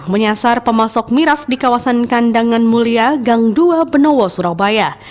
menyasar pemasok miras di kawasan kandangan mulia gang dua benowo surabaya